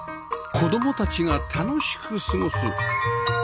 子供たちが楽しく過ごす